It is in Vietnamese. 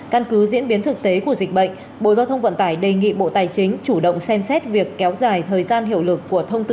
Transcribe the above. căn cứ diễn biến thực tế của dịch bệnh bộ giao thông vận tải đề nghị bộ tài chính chủ động xem xét việc kéo dài thời gian hiệu lực của thông tư số bốn mươi bảy